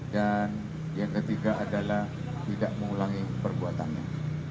dan yang ketiga adalah tidak mengulangi perbuatannya